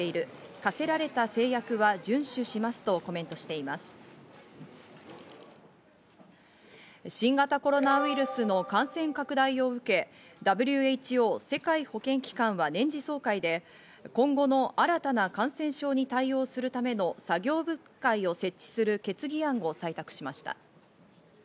課せられた制約は遵守しますとコ新型コロナウイルスの感染拡大を受け、ＷＨＯ＝世界保健機関は年次総会で、今後の新たな感染症に対応するための作業部会を設置する決議案を採択しました。